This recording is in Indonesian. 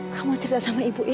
kamu mau cerita sama ibu ibu